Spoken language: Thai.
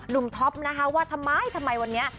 ลุ่มท็อปว่าทำไมวันนี้